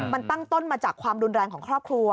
มันตั้งต้นมาจากความรุนแรงของครอบครัว